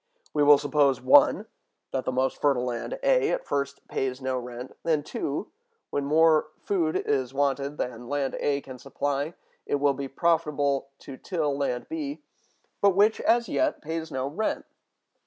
We will suppose (1) that the most fertile land, A, at first pays no rent; then (2), when more food is wanted than land A can supply, it will be profitable to till land B, but which, as yet, pays no rent.